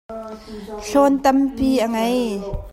Hlawn tampi a ngei.